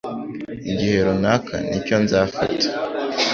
Igihe runaka nicyo nza fata